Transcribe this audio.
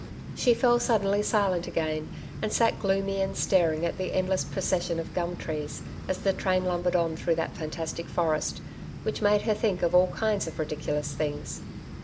She fell suddenly silent again, and sat gloomy and staring at the endless procession of gum trees as the train lumbered on through that fantastic forest, which made her think of all kinds of ridiculous things.